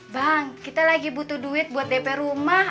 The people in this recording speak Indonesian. bang kita lagi butuh duit buat dpr rumah